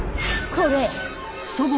これ。